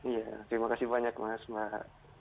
iya terima kasih banyak mas mbak